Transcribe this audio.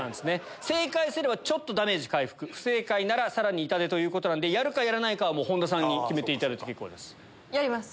正解すればちょっとダメージ回復不正解ならさらに痛手なんでやるかやらないかは本田さんに決めていただいて。